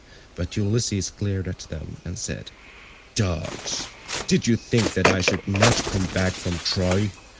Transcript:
But Ulysses glared at them and said: "Dogs, did you think that I should not come back from Troy?